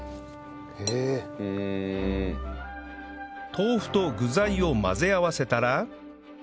豆腐と具材を混ぜ合わせたら